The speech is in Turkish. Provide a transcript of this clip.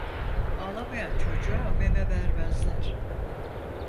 Ağlamayan çocuğa meme vermezler.